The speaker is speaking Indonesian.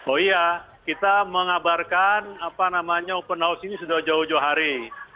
oh iya kita mengabarkan open house ini sudah jauh jauh hari